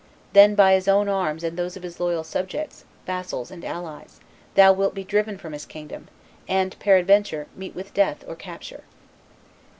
Then by his own arms and those of his loyal subjects, vassals, and allies, thou wilt be driven from his kingdom, and, peradventure, meet with death or capture."